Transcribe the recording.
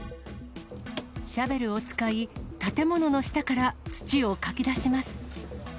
シャベルを使い、建物の下から土をかき出します。